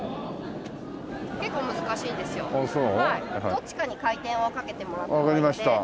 どっちかに回転をかけてもらっといて。